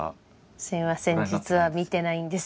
すみません実は見てないんです。